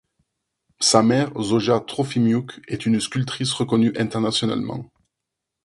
Sa mère, Zoja Trofimiuk, est une sculptrice reconnue internationalement.